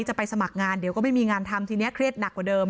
จะไปสมัครงานเดี๋ยวก็ไม่มีงานทำทีนี้เครียดหนักกว่าเดิม